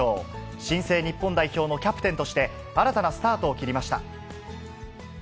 新生日本代表のキャプテンとして、新たなスタートを切りました。